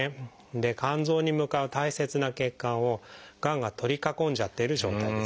で肝臓に向かう大切な血管をがんが取り囲んじゃっている状態です。